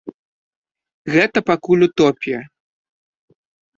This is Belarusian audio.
Гэта пакуль утопія.